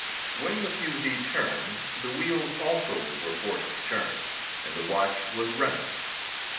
When the fusee turned, the wheels also were forced to turn, and the watch was running.